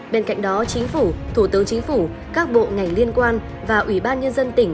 bên cạnh đó chính phủ thủ tướng chính phủ các bộ ngành liên quan và ủy ban nhân dân tỉnh